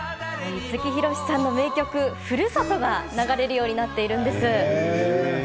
五木ひろしさんの名曲「ふるさと」が流れるようになっているんです。